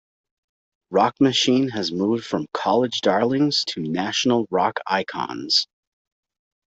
Rock Machine had moved from "college darlings" to national rock icons.